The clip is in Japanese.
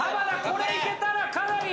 これいけたらかなり。